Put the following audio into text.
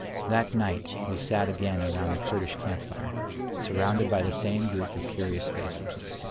That night we sat again around the Kurdish camp fire, surrounded by the same group of curious faces.